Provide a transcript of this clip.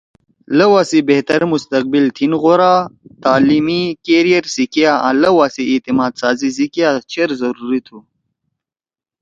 لؤا سی بہتر مستقبل، تھیِن غورا تعلیمی کریئر سی کیا آں لؤا می اعتمادسازی کیا چیر ضروری تُھو۔